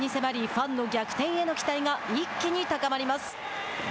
ファンの逆転への期待が一気に高まります。